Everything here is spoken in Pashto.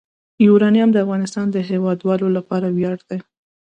یورانیم د افغانستان د هیوادوالو لپاره ویاړ دی.